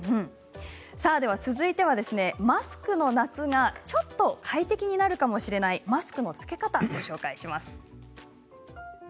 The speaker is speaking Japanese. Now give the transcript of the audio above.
続いてはマスクの夏がちょっと快適になるかもしれないマスクの着け方をご紹介します。